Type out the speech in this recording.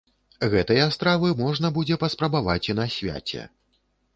Гэтыя стравы можна будзе паспрабаваць і на свяце.